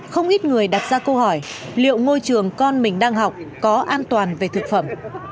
không ít người đặt ra câu hỏi liệu ngôi trường con mình đang học có an toàn về thực phẩm